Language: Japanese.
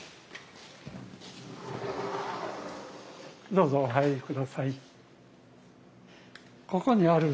どうぞお入り下さい。